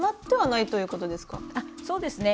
そうですね。